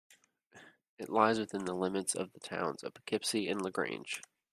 It lies within the limits of the towns of Poughkeepsie and LaGrange.